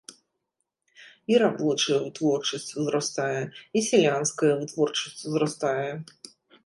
І рабочая вытворчасць узрастае, і сялянская вытворчасць узрастае.